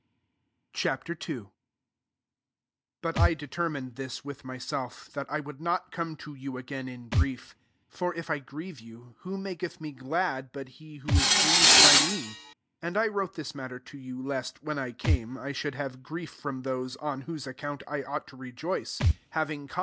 Ch. II. 1 But I determined this with myself, that I would not come to. you again in grief. 2 For if I grieve you, who maketh me glad, but he wjjo is grieved by me ? 3 And I wrote this matter [_to you], lest, when I came, I should have grief from those, on whose account I ought to rejoice ; having con * Stte 1 Got* vr, 31, an4 the Mte them.